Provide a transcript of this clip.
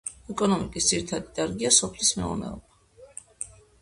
ეკონომიკის ძირითადი დარგია სოფლის მეურნეობა.